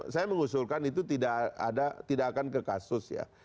saya mengusulkan itu tidak akan kekasus ya